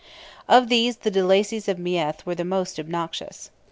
Of these the de Lacys of Meath were the most obnoxious.